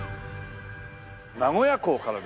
名古屋港からです。